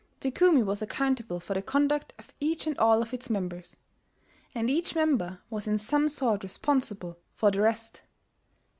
The kumi was accountable for the conduct of each and all of its members; and each member was in some sort responsible for the rest.